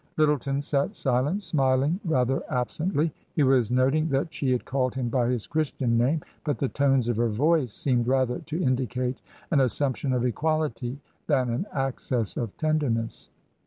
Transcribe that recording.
Lyttleton sat silent, smiling rather absently. He was noting that she had called him by his Christian name ; but the tones of her voice seemed rather to indicate an assumption of equality than an access of tenderness.